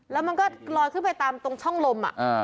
แล้วมันก็ลอยขึ้นไปตามตรงช่องลม